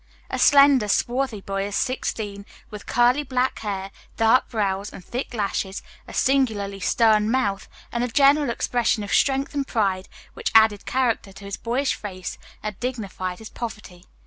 A slender, swarthy boy of sixteen, with curly black hair, dark brows, and thick lashes, a singularly stern mouth, and a general expression of strength and pride, which added character to his boyish face and dignified his poverty.